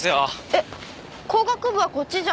えっ工学部はこっちじゃ。